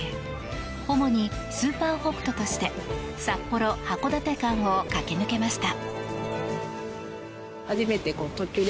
主に「スーパー北斗」として札幌函館間を駆け抜けました。